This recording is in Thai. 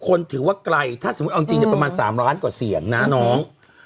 คนถือว่าไกลถ้าสมมุติเอาจริงประมาณ๓ล้านกว่าเสียงนะน้อง